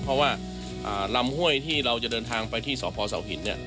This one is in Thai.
เพราะว่ารำห้วยที่เราจะเดินทางไปที่สพศหินทร์เนี่ย